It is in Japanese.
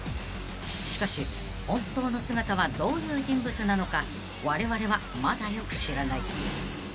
［しかし本当の姿はどういう人物なのかわれわれはまだよく知らない］